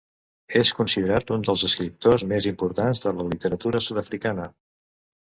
És considerat un dels escriptors més importants de la literatura sud-africana.